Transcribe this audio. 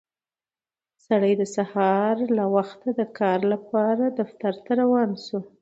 سړی د سهار له وخته د کار لپاره دفتر ته روان شو